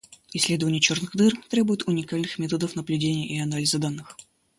Исследование черных дыр требует уникальных методов наблюдения и анализа данных.